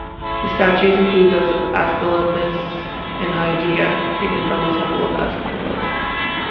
The statues include those of Aesculapius and Hygieia, taken from the temple of Aesculapius.